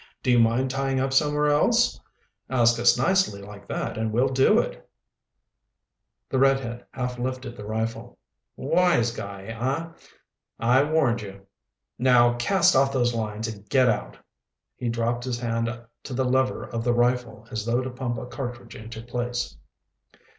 Do you mind tying up somewhere else?' Ask us nicely like that and we'll do it." The redhead half lifted the rifle. "Wise guy, huh? I warned you. Now cast off those lines and get out." He dropped his hand to the lever of the rifle as though to pump a cartridge into place.